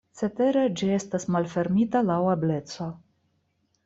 Cetere ĝi estas malfermita laŭ ebleco.